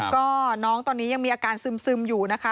ก็น้องตอนนี้ยังมีอาการซึมอยู่นะคะ